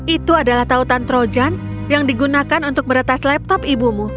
itu adalah tautan trojan yang digunakan untuk meretas laptop ibumu